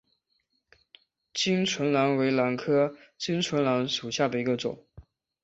巾唇兰为兰科巾唇兰属下的一个种。